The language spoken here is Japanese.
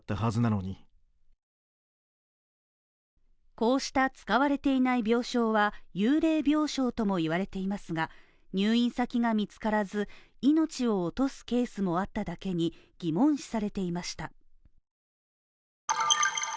こうした使われていない病床は幽霊病床とも言われていますが、入院先が見つからず、命を落とすケースもあっただけに、疑問視されていました。